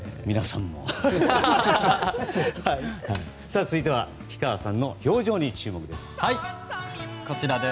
さあ、続いては氷川さんの表情に注目です。